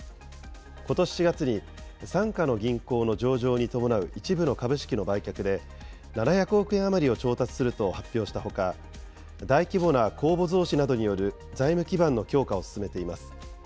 ことし４月に、傘下の銀行の上場に伴う一部の株式の売却で、７００億円余りを調達すると発表したほか、大規模な公募増資などによる財務基盤の強化を進めています。